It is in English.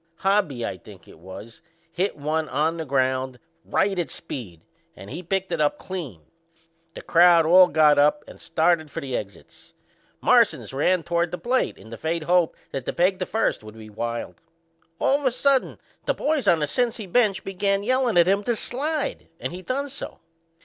Hobby, I think it was, hit one on the ground right at Speed and he picked it up clean. The crowd all got up and started for the exits. Marsans run toward the plate in the faint hope that the peg to first would be wild. All of a sudden the boys on the Cincy bench begun yellin' at him to slide, and he done so.